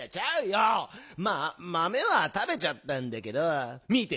まあまめはたべちゃったんだけどみて。